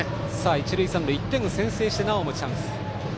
一塁三塁１点先制して、なおもチャンス。